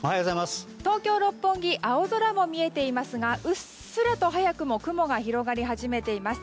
東京・六本木青空も見えていますがうっすらと、早くも雲が広がり始めています。